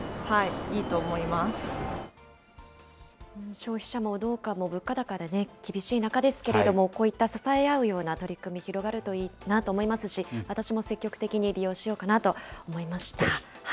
消費者も農家も物価高でね、厳しい中ですけれども、こういった支え合うような取り組み、広がればいいなと思いますし、私も積極的に利用しようかなと思いました。